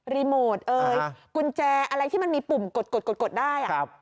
โมทเอ่ยกุญแจอะไรที่มันมีปุ่มกดได้